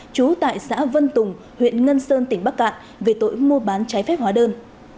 trú tại xã vân tùng huyện ngân sơn tỉnh bắc cạn về tội mua bán trái phép hóa đơn